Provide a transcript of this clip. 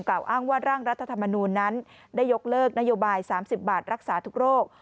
อ้างว่าร่างรัฐธรรมนูลนั้นได้ยกเลิกนโยบาย๓๐บาทรักษาทุกโรค